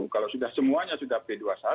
kalau sudah semuanya sudah p dua puluh satu